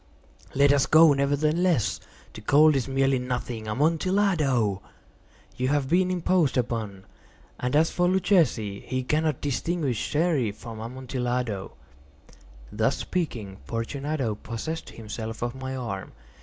"Let us go, nevertheless. The cold is merely nothing. Amontillado! You have been imposed upon. And as for Luchesi, he cannot distinguish Sherry from Amontillado." Thus speaking, Fortunato possessed himself of my arm.